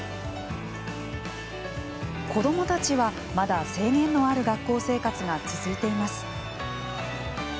子どもたちは、まだ制限のある学校生活が続いています。